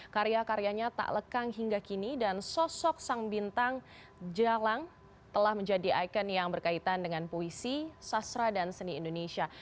karya karyanya tak lekang hingga kini dan sosok sang bintang jalang telah menjadi ikon yang berkaitan dengan puisi sastra dan seni indonesia